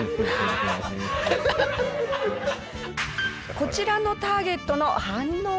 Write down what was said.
こちらのターゲットの反応は？